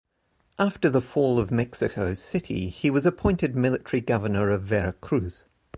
After the fall of Mexico City, he was appointed military governor of Veracruz.